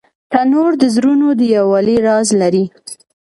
تنور د زړونو د یووالي راز لري